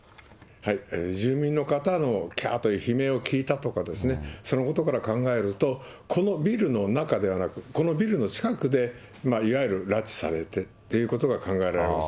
住民の方の、きゃーっという悲鳴を聞いたとか、そのことから考えると、このビルの中ではなく、このビルの近くで、やっぱり拉致されてっていうことが考えられるんです。